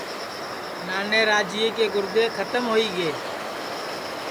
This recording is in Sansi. نانے راجیئے کے گُردے کھتم ہوئی گے